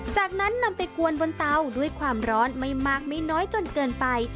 จากนั้นนำไปกวนบนเตาด้วยความร้อนไม่มากไม่น้อยจนเกินไป